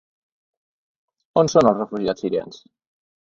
On són els refugiats sirians?